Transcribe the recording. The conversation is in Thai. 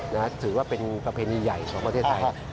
ถือว่าเป็นประเพณีใหญ่ของประเทศไทย